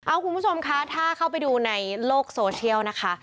คุณผู้ชมคะถ้าเข้าไปดูในโลกโซเชียลนะคะ